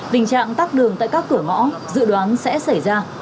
tình trạng tắt đường tại các cửa ngõ dự đoán sẽ xảy ra